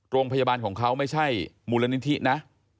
โรงพยาบาลของเขาไม่ใช่มูลนิธินะ